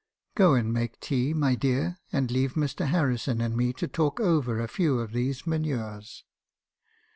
" 'Go and make tea, my dear, and leave Mr. Harrison and me to talk over a few of these manures.'